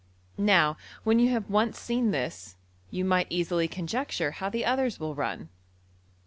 Now, when you have once seen this, you might easily conjecture how the others will run.